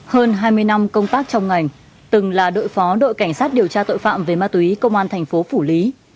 hơn hai mươi năm công tác trong ngành từng là đội phó đội cảnh sát điều tra tội phạm về ma túy công an thành phố phủ lý